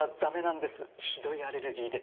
ひどいアレルギーで。